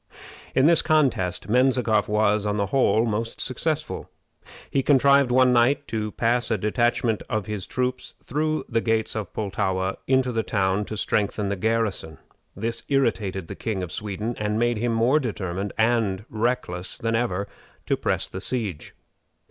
In this contest Menzikoff was, on the whole, most successful. He contrived one night to pass a detachment of his troops through the gates of Pultowa into the town to strengthen the garrison. This irritated the King of Sweden, and made him more determined and reckless than ever to press the siege.